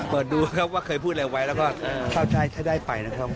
เปิดดูครับว่าเคยพูดอะไรไว้แล้วก็ถ้าได้ไปนะครับ